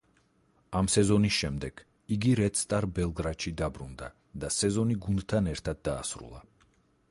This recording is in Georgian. ამ სეზონის შემდეგ იგი რედ სტარ ბელგრადში დაბრუნდა და სეზონი გუნდთან ერთად დაასრულა.